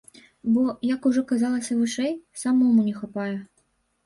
Бо, як ужо казалася вышэй, самому не хапае.